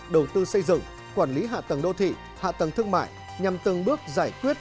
đầu tư xây dựng quản lý hạ tầng đô thị hạ tầng thương mại nhằm từng bước giải quyết